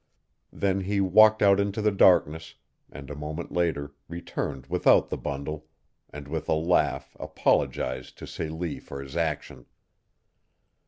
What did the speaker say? Then he walked out into the darkness, and a moment later returned without the bundle, and with a laugh apologized to Celie for his action.